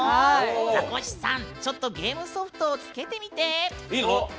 ザコシさん、ちょっとゲームソフトをつけてみて。